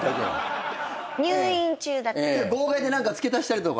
号外で何か付け足したりとか？